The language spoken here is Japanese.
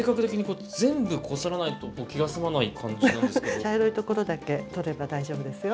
茶色いところだけ取れば大丈夫ですよ。